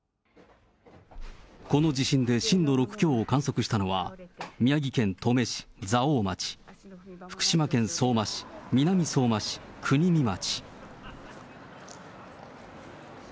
この地震で震度６強を観測したのは、宮城県登米市、蔵王町、福島県相馬市、南相馬市、国見町。